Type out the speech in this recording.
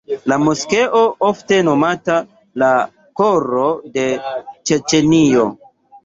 La moskeo ofte nomata "la koro de Ĉeĉenio".